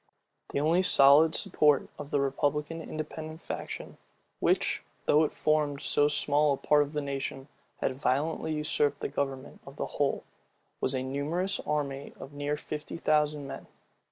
The only solid support of the republican independent faction, which, though it formed so small a part of the nation, had violently usurped the government of the whole, was a numerous army of near fifty thousand men.